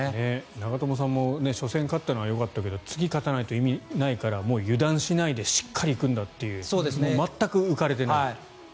長友さんも初戦勝ったのはいいけど次勝たないと意味ないから油断しないでしっかり行くんだという全く浮かれてない。